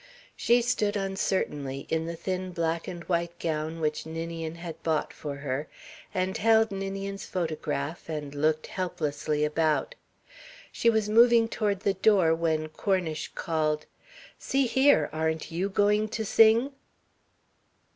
She stood uncertainly, in the thin black and white gown which Ninian had bought for her, and held Ninian's photograph and looked helplessly about. She was moving toward the door when Cornish called: "See here! Aren't you going to sing?"